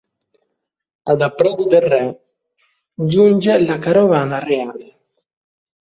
Ad Approdo del Re giunge la carovana reale.